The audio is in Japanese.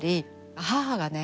母がね